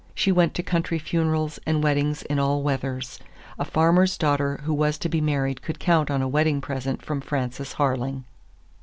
She went to country funerals and weddings in all weathers. A farmer's daughter who was to be married could count on a wedding present from Frances Harling.